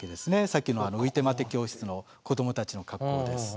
さっきのういてまて教室の子どもたちの格好です。